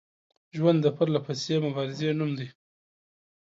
ژوند د پرلپسې مبارزې نوم دی